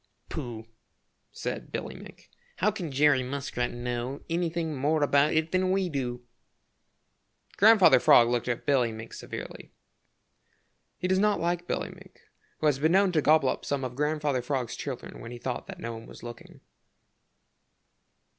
"Pooh," said Billy Mink, "how can Jerry Muskrat know anything more about it than we do?" Grandfather Frog looked at Billy Mink severely. He does not like Billy Mink, who has been known to gobble up some of Grandfather Frog's children when he thought that no one was looking.